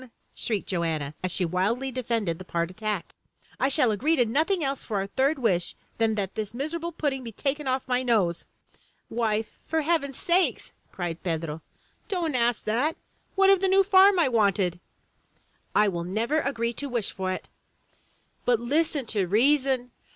shrieked Joanna, as she wildly defended the part attacked. "I shall agree to nothing else for our third wish than that this miserable pudding be taken off my nose!" "Wife, for heaven's sake!" cried Pedro, "don't ask that! What of the new farm I wanted?" 156 THROUGH FAIRY HALLS "I will never agree to wish for it!" *'But listen to reason!